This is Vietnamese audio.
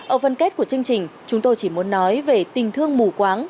ở phần kết của chương trình chúng tôi chỉ muốn nói về tình thương mù quáng